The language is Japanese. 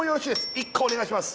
１個お願いします